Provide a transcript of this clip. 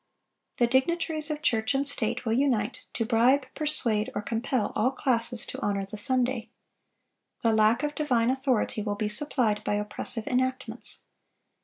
The dignitaries of church and state will unite to bribe, persuade, or compel all classes to honor the Sunday. The lack of divine authority will be supplied by oppressive enactments.